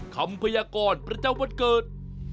พยากรประจำวันเกิด